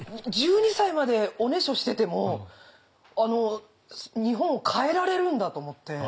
１２歳までおねしょしてても日本を変えられるんだと思って。